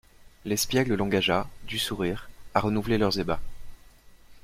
L'espiègle l'engagea, du sourire, à renouveler leurs ébats.